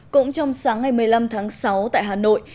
cũng trong sáng ngày một mươi năm tháng sáu tại hà nội